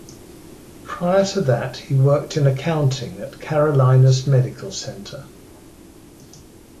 Prior to that he worked in accounting at Carolinas Medical Center.